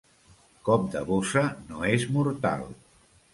Cop de bossa no és mortal.